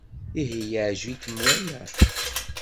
Ihi yeɛjeb-ikem waya?